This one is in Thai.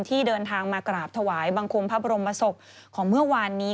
ที่เดินทางมากราบถวายบังคมพระบรมศพของเมื่อวานนี้